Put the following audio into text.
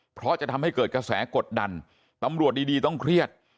เพราะจะทำให้เกิดกระแสกดดันตำรวจดีต้องเครียด